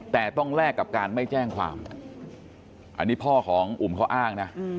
แต่ต้องแลกกับการไม่แจ้งความอันนี้พ่อของอุ่มเขาอ้างนะ